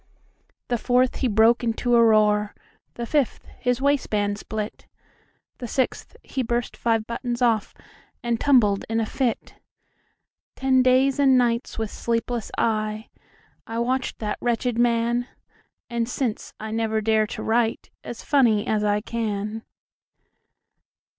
The fourth; he broke into a roar; The fifth; his waistband split; The sixth; he burst five buttons off, And tumbled in a fit. Ten days and nights, with sleepless eye,I watched that wretched man, And since, I never dare to writeAs funny as I can.